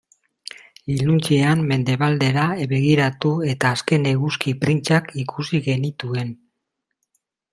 Iluntzean mendebaldera begiratu eta azken eguzki printzak ikusi genituen.